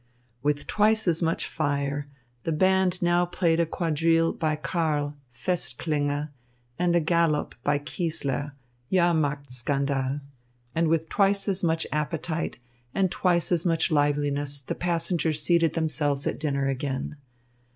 With twice as much fire, the band now played a quadrille by Karl, Festklänge, and a galop by Kiesler, Jahrmarktskandal; and with twice as much appetite and twice as much liveliness the passengers seated themselves at dinner again.